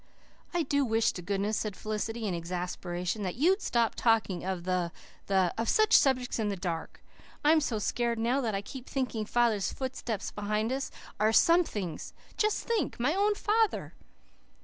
"I do wish to goodness," said Felicity in exasperation, "that you'd stop talking of the the of such subjects in the dark. I'm so scared now that I keep thinking father's steps behind us are SOMETHING'S. Just think, my own father!"